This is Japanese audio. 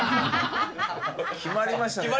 決まりましたね。